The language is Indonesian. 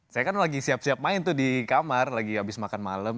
saya kan lagi siap siap main tuh di kamar lagi habis makan malam